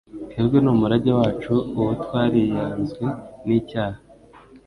twebwe n'umurage wacu uwo twariyazwe n'icyaha,